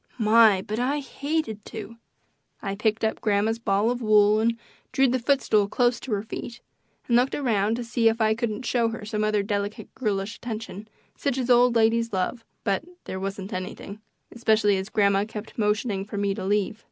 My, but I hated to! I picked up grandma's ball of wool and drew the footstool close to her feet, and looked around to see if I couldn't show her some other delicate girlish attention such as old ladies love, but there wasn't anything, especially as grandma kept motioning for me to leave.